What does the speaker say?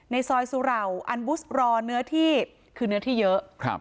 ในซอยสุเหล่าอันบุสรอเนื้อที่คือเนื้อที่เยอะ